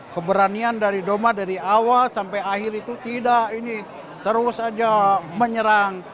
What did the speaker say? keberanian dari doma dari awal sampai akhir itu tidak ini terus saja menyerang